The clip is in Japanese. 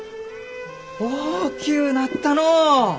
大きゅうなったのう！